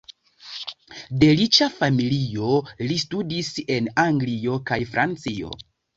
De riĉa familio, li studis en Anglio kaj Francio.